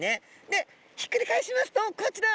でひっくり返しますとこちら！